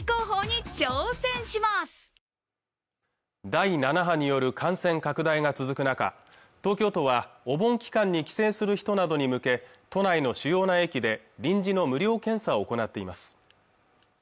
第７波による感染拡大が続く中東京都はお盆期間に帰省する人などに向け都内の主要な駅で臨時の無料検査を行っています